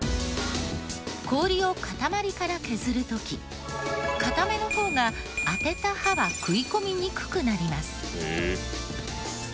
氷を塊から削る時硬めの方が当てた刃は食い込みにくくなります。